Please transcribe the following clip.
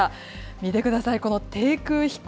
見てください、この低空飛行。